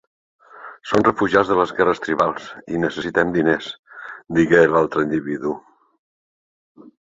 "Son refugiats de les guerres tribals i necessitem diners", digué l'altre individu.